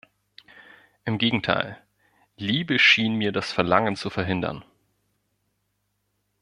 Im Gegenteil: Liebe schien mir das Verlangen zu verhindern.